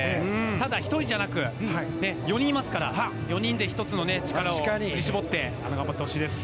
ただ１人じゃなく４人いますから４人で１つの力を振り絞って頑張ってほしいですね。